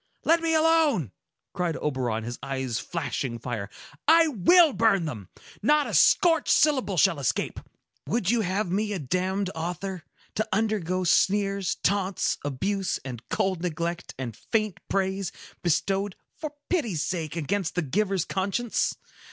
"Let me alone!" cried Oberon, his eyes flashing fire. "I will burn them! Not a scorched syllable shall escape! Would you have me a damned author?—To undergo sneers, taunts, abuse, and cold neglect, and faint praise, bestowed, for pity's sake, against the giver's conscience!